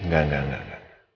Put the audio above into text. gak gak gak